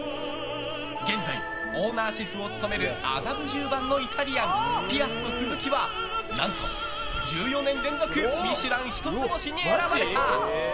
現在、オーナーシェフを務める麻布十番のイタリアンピアットスズキは何と１４年連続「ミシュラン」一つ星に選ばれた。